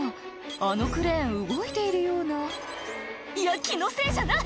あのクレーン動いているようないや気のせいじゃない！